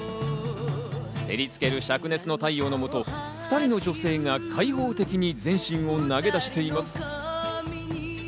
照りつける灼熱の太陽の下、２人の女性が開放的に全身を投げ出しています。